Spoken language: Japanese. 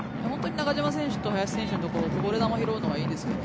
中島選手と林選手のところこぼれ球を拾うのがいいですよね。